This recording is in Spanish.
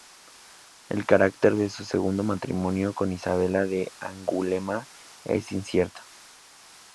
El carácter de su segundo matrimonio con Isabel de Angulema es incierto.